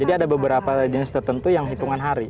jadi ada beberapa jenis tertentu yang hitungan hari